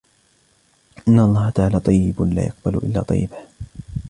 إِنَّ اللهَ تَعَالَى طَيِّبٌ لاَ يَقْبَلُ إِلاَّ طَيِّبًا،